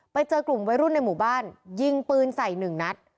ไปเจอกลุ่มวัยรุ่นในหมู่บ้านยิงปืนใส่หนึ่งนัด